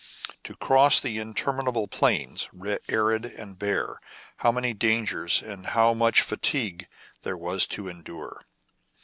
to cross the interminable plains, arid and bare, how many dangers and how much fatigue there was to endure!